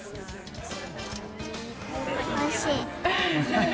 おいしい。